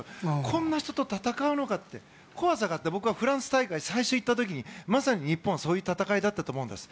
こんな人と戦うのかって怖さがあって僕はフランス大会最初に行った時にまさに日本はそういう戦いだったと思うんです。